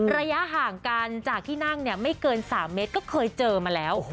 ระยะห่างกันจากที่นั่งเนี่ยไม่เกิน๓เมตรก็เคยเจอมาแล้ว